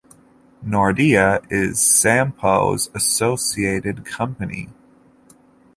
Nordea is Sampo's associated company.